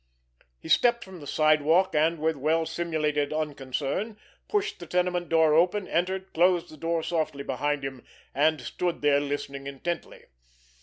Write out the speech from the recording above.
He stepped from the sidewalk, and, with well simulated unconcern, pushed the tenement door open, entered, closed the door softly behind him, and stood still, listening intently.